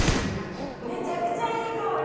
めちゃくちゃいい香り。